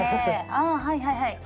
あはいはいはい。